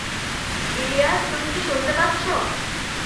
ইলিয়াস, তুমি কি শুনতে পাচ্ছ?